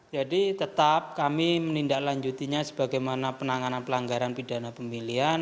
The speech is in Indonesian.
jadi tetap kami menindaklanjutinya sebagaimana penanganan pelanggaran pidana pemilihan